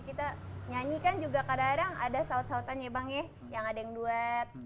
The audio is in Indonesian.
kita nyanyikan juga kadang kadang ada saut sautan ya bang ya yang ada yang duet